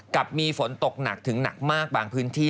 กับมีฝนตกหนักถึงหนักมากบางพื้นที่